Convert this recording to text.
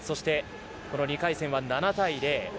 ２回戦は７対０。